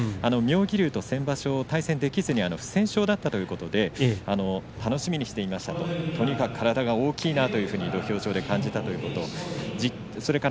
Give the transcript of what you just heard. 妙義龍と先場所、対戦できずに不戦勝だったということで楽しみにしていました、とにかく体が大きいなと土俵上で感じたということです。